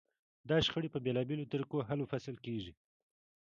دا شخړې په بېلابېلو طریقو حل و فصل کېږي.